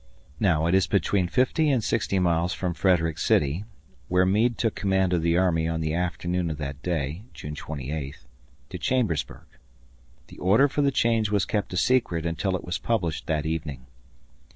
Now it is between fifty and sixty miles from Frederick City, where Meade took command of the army on the afternoon of that day (June 28), to Chambersburg. The order for the change was kept a secret until it was published that evening.